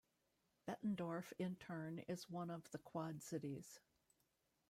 Bettendorf, in turn, is one of the Quad Cities.